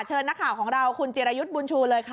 นักข่าวของเราคุณจิรายุทธ์บุญชูเลยค่ะ